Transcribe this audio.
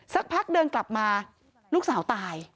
สักพักเดินกลับมาลูกสาวตาย